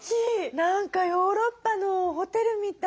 何かヨーロッパのホテルみたい。